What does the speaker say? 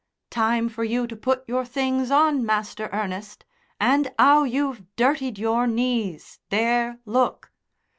"Time for you to put your things on, Master Ernest. And 'ow you've dirtied your knees! There! Look!"